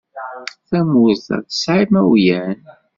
Tamurt-a tesɛa imawlan.